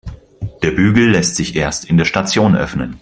Der Bügel lässt sich erst in der Station öffnen.